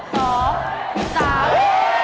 เฮ่ย